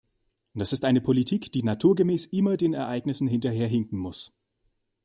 Das ist eine Politik, die naturgemäß immer den Ereignissen hinterherhinken muss.